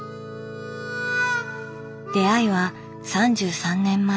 出会いは３３年前。